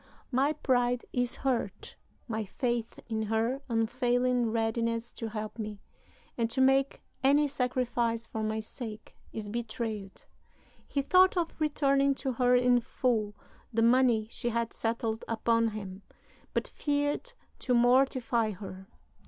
My pride is hurt; my faith in her unfailing readiness to help me, and to make any sacrifice for my sake, is betrayed." He thought of returning to her in full the money she had settled upon him, but feared to mortify her.